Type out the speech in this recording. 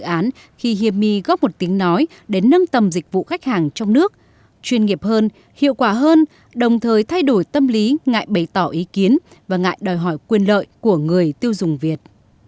dù có non trẻ nhưng có thể thấy tính khả thi của dự án khi hiemi góp một tiếng nói đến nâng tầm dịch vụ khách hàng trong nước chuyên nghiệp hơn hiệu quả hơn đồng thời thay đổi tâm lý ngại bày tỏ ý kiến và ngại đòi hỏi quyền lợi của người tiêu dùng việt